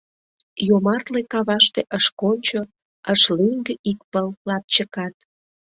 Йомартле каваште ыш кончо, ыш лӱҥгӧ ик пыл лапчыкат.